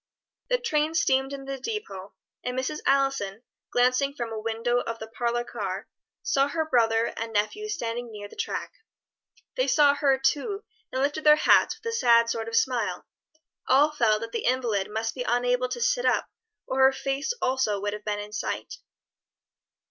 The train steamed into the depôt, and Mrs. Allison, glancing from a window of the parlor car, saw her brother and nephews standing near the track. They saw her, too, and lifted their hats with a sad sort of smile. All felt that the invalid must be unable to sit up or her face also would have been in sight.